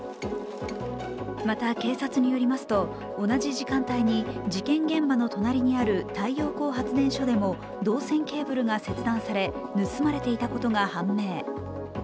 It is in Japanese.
また、警察によりますと同じ時間帯に事件現場の隣にある太陽光発電所でも銅線ケーブルが切断され、盗まれていたことが判明。